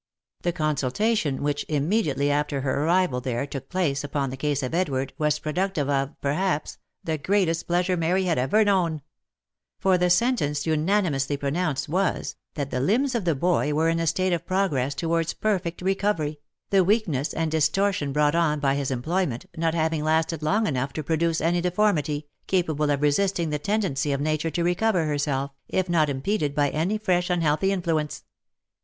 The consultation which, immediately after her arrival there, took place upon the case of Edward, was productive of, perhaps, the greatest pleasure Mary had ever known ; for the sentence unanimously pronounced was, that the limbs of the boy were in a state of progress towards perfect recovery, the weakness and distortion brought on by his employment, not having lasted long enough to produce any de formity, capable of resisting the tendency of nature to recover herself, if not impeded by any fresh unhealthy influence.